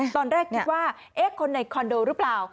ตอนแรกคิดว่าเอ๊ะคนในคอนโดหรือเปล่า